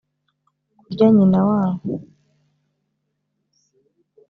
kurya nyina wabo